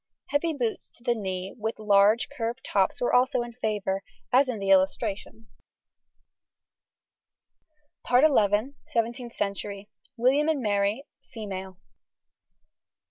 Heavy boots to the knee, with large curved tops, were also in favour, as in the illustration (Fig. 71). SEVENTEENTH CENTURY. WILLIAM AND MARY. FEMALE.